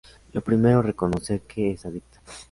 Lo primero es reconocer que es adicta.